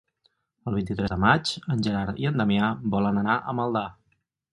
El vint-i-tres de maig en Gerard i en Damià volen anar a Maldà.